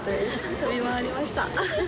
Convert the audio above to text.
飛び回りました。